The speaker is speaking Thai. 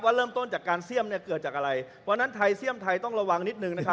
เริ่มต้นจากการเสี่ยมเกิดจากอะไรวันนั้นไทยเสี่ยมไทยต้องระวังนิดนึงนะครับ